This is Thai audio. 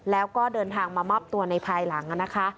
แล้วก็เดินทางมามอบตัวในภายหลังนะคะ